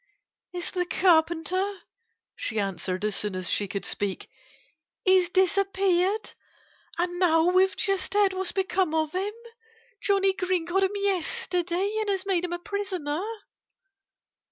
"It's the Carpenter," she answered, as soon as she could speak. "He's disappeared. And now we've just heard what's become of him. Johnnie Green caught him yesterday and has made him a prisoner!"